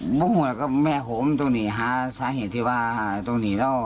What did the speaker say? หัวกับแม่ผมต้องหนีหาสาเหตุที่ว่าต้องหนีแล้ว